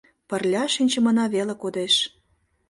Пырля шинчымына веле кодеш.